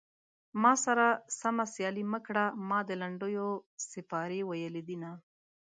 ما سره سمه سيالي مه کړه ما د لنډيو سيپارې ويلي دينه